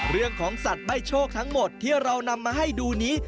เรื่องของสัตว์ใบ้โชคทั้งหมดที่เรานำมาให้ดูนี้